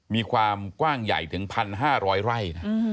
มีความกว้างใหญ่ถึง๑๕๐๐ไร่นะ